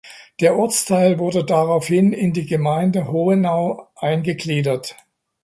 Der Ortsteil wurde daraufhin in die Gemeinde Hohenau eingegliedert.